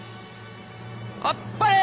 あっぱれ！